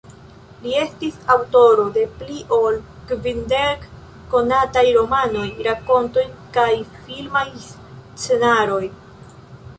Li estis aŭtoro de pli ol kvindek konataj romanoj, rakontoj kaj filmaj scenaroj.